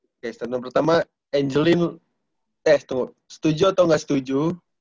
oke statement pertama angelin eh tunggu setuju atau gak setuju